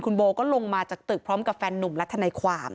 คุณโบก็ลงมาจากตึกพร้อมกับแฟนหนุ่มและทนายความ